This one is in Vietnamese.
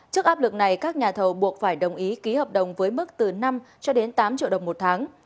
trước áp lực này các nhà thầu buộc phải đồng ý ký hợp đồng với mức từ năm cho đến tám triệu đồng một tháng